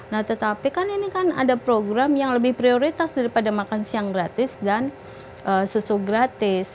nah tetapi kan ini kan ada program yang lebih prioritas daripada makan siang gratis dan susu gratis